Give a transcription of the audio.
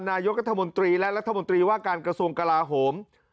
นายกรัฐมนตรีและรัฐมนตรีว่าการกระทรวงกลาโหม